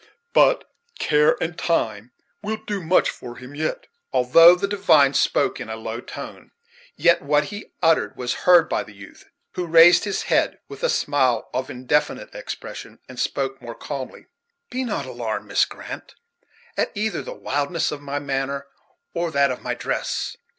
But care and time will do much for him yet." Although the divine spoke in a low tone, yet what he uttered was heard by the youth, who raised his head, with a smile of indefinite expression, and spoke more calmly: "Be not alarmed, Miss Grant, at either the wildness of my manner or that of my dress.